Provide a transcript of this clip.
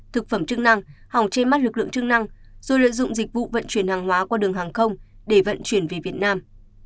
thực phẩm chức năng hòng che mắt lực lượng chức năng rồi lợi dụng dịch vụ vận chuyển hàng hóa qua đường hàng không để vận chuyển về việt nam